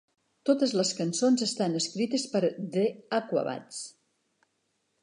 Totes les cançons estan escrites per The Aquabats.